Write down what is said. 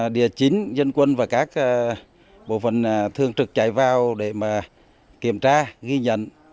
địa chính dân quân và các bộ phần thương trực chạy vào để kiểm tra ghi nhận